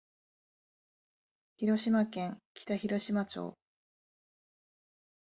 広島県北広島町